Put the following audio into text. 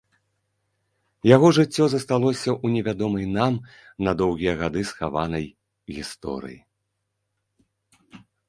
Яго жыццё засталося ў невядомай нам, на доўгія гады схаванай, гісторыі.